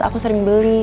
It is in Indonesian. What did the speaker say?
aku sering beli